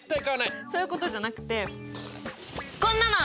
そういうことじゃなくてこんなの！